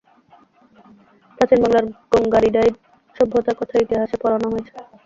প্রাচীন বাংলার গঙ্গারিডাই সভ্যতার কথা ইতিহাসে পড়ানো হয়না।